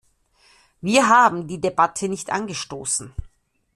Wir haben die Debatte nicht angestoßen.